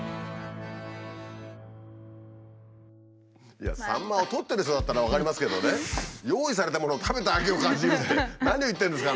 いやサンマをとってる人だったら分かりますけどね用意されたものを食べて「秋を感じる」って何を言ってるんですか？